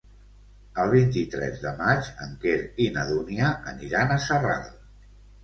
El vint-i-tres de maig en Quer i na Dúnia aniran a Sarral.